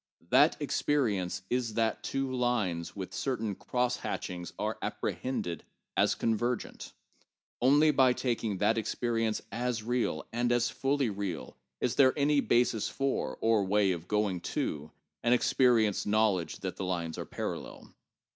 That experience is that two lines with certain cross hatchings are ap prehended as convergent ; only by. taking that experience as real and as fully real, is there any basis for or way of going to an experi enced knowledge that the lines are parallel.